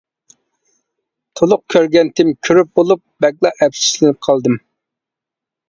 تولۇق كۆرگەنتىم، كۆرۈپ بولۇپ بەكلا ئەپسۇسلىنىپ قالدىم.